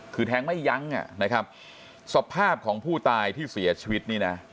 คือแทงไม่ยั้งอ่ะนะครับสภาพของผู้ตายที่เสียชีวิตนี่นะ